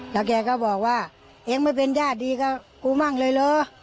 แล้วแกก็บอกว่าเองไม่เป็นญาติดีกับกูมั่งเลยเหรอ